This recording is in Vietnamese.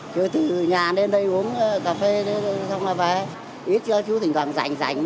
chứ từ nhà đến đây uống cà phê xong rồi về ít chứ chú thỉnh thoảng rảnh